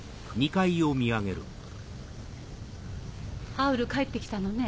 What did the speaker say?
ハウル帰って来たのね。